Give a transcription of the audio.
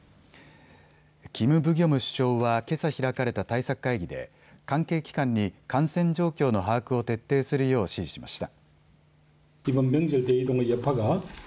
キム・ブギョム首相はけさ開かれた対策会議で関係機関に感染状況の把握を徹底するよう指示しました。